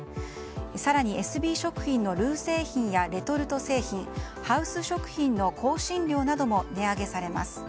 更に、エスビー食品のルー製品やレトルト製品ハウス食品の香辛料なども値上げされます。